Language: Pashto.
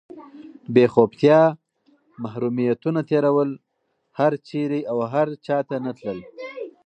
بېخوبتیا، محرومیتونه تېرول، هېر چېرته او هر چاته نه تلل،